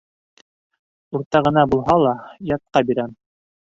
Уртағына булһа ла, ятҡа бирәм.